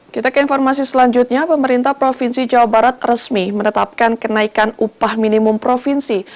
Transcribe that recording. kita ke informasi selanjutnya pemerintah provinsi jawa barat resmi menetapkan kenaikan upah minimum provinsi